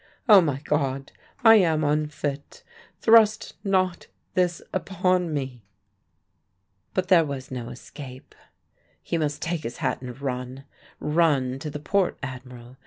"Oh, my God, I am unfit thrust not this upon me!" But there was no escape. He must take his hat and run run to the Port Admiral.